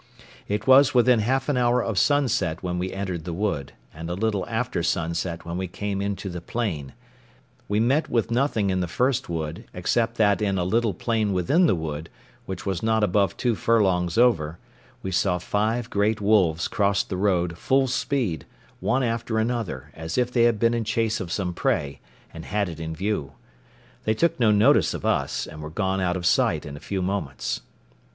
It was within half an hour of sunset when we entered the wood, and a little after sunset when we came into the plain: we met with nothing in the first wood, except that in a little plain within the wood, which was not above two furlongs over, we saw five great wolves cross the road, full speed, one after another, as if they had been in chase of some prey, and had it in view; they took no notice of us, and were gone out of sight in a few moments.